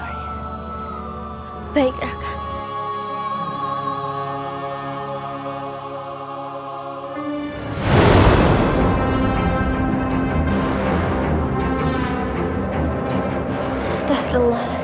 lebih baik sekarang kita menolong yang lain rai